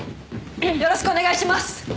よろしくお願いします。